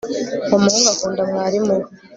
Uwo muhungu akunda mwarimu we